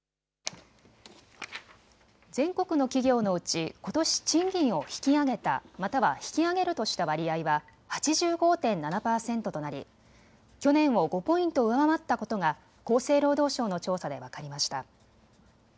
全国の企業のうち、ことし賃金を引き上げたまたは引き上げるとした割合は８５．７％となり去年を５ポイント上回ったことが厚生労働省の調査で分かりました。